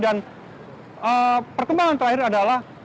dan perkembangan terakhir adalah polisi